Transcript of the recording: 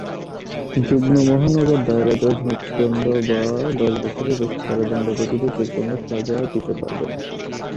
যুগ্ম মহানগর দায়রা জজ মৃত্যুদণ্ড বা দশ বছরের বেশি কারাদণ্ড ব্যতীত যে কোনও সাজা দিতে পারবেন।